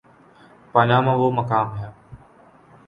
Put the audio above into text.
Panama وہ مقام ہے۔